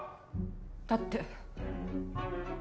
だって。